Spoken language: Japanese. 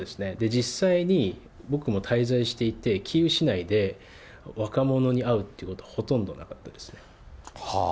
実際に、僕も滞在していて、キーウ市内で、若者に会うということはほとんどなかったですね。